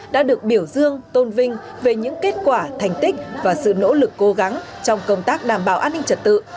đã được biểu dương tôn vinh về những kết quả thành tích và sự nỗ lực cố gắng trong công tác đảm bảo an ninh trật tự